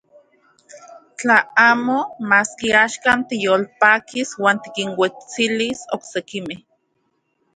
Tla amo, maski axkan tiyolpakis uan tikinuetskilis oksekimej.